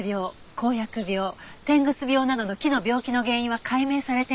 こうやく病てんぐ巣病などの木の病気の原因は解明されています。